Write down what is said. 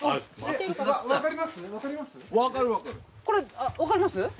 これ分かります？